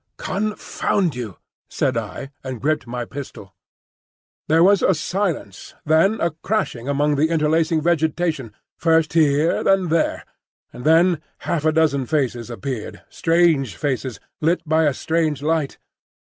"Confound you!" said I, and gripped my pistol. There was a silence, then a crashing among the interlacing vegetation, first here, then there, and then half a dozen faces appeared,—strange faces, lit by a strange light.